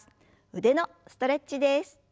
腕のストレッチです。